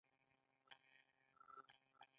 آیا د کاناډا شیدې او پنیر مشهور نه دي؟